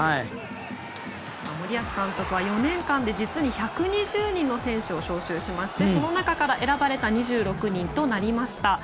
森保監督は４年間で実に１２０人の選手を招集しましてその中から選ばれた２６人となりました。